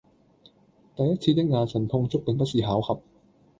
第一次的眼神觸碰並不是巧合